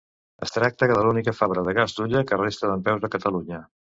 Es tracta de l'única fàbrica de gas d'hulla que resta dempeus a Catalunya.